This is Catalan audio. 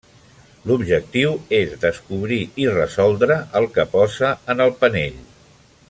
L'objectiu és descobrir i resoldre el que posa en el panell.